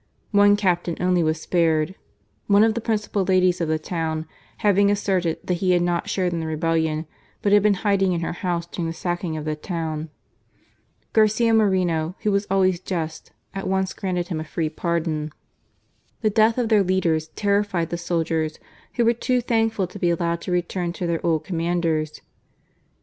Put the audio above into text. One captain only was spared, one of the principal ladies of the town having asserted that he had not shared in the rebellion, but had been hiding in her house during the sacking of the town. Garcia Moreno, who was always just, at once granted him a free pardon. The death of their leaders terrified the soldiers^ who were too thankful to be allowed to return to their old commanders.